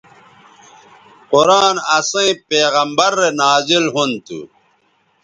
قرآن اسئیں پیغمبرؐ رے نازل ھُون تھو